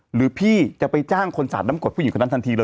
หรือพี่จะไปจ้างคนสาดน้ำกดผู้หญิงคนนั้นทันทีเลย